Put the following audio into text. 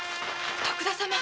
徳田様！